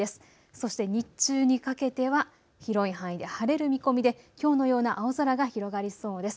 そして日中にかけては広い範囲で晴れる見込みできょうのような青空が広がりそうです。